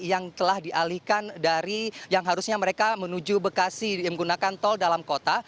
yang telah dialihkan dari yang harusnya mereka menuju bekasi menggunakan tol dalam kota